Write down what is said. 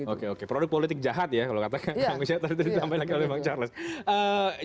oke oke produk politik jahat ya kalau katakan